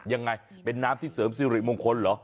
ยังไงเป็นน้ำที่เสริมสิริมงคลเหรอ